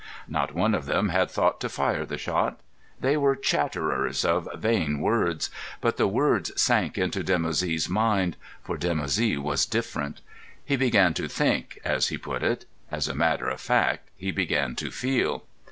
Not one of them had thought to fire the shot. They were chatterers of vain words. But the words sank into Dimoussi's mind; for Dimoussi was different. He began to think, as he put it; as a matter of fact, he began to feel.